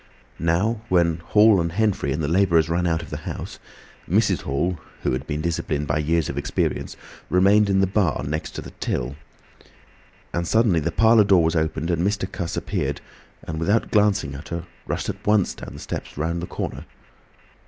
Now when Hall and Henfrey and the labourers ran out of the house, Mrs. Hall, who had been disciplined by years of experience, remained in the bar next the till. And suddenly the parlour door was opened, and Mr. Cuss appeared, and without glancing at her rushed at once down the steps toward the corner.